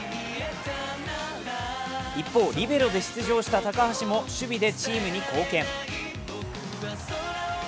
一方、リベロで出場した高橋も守備でチームに貢献。